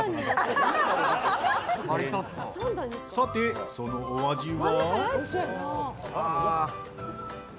さて、そのお味は。